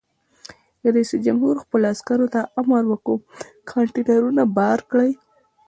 رئیس جمهور خپلو عسکرو ته امر وکړ؛ کانټینرونه بار کړئ!